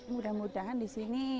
mudah mudahan di sini